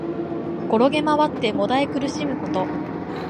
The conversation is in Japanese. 転げまわって悶え苦しむこと。